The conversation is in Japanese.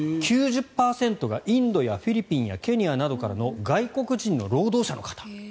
９０％がインドやフィリピンやケニアなどからの外国人の労働者の方。